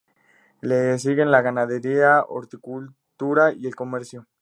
Le siguen la ganadería, horticultura y el comercio.